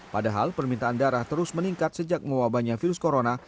padahal permintaan darah terus meningkat sejak mewabahnya virus corona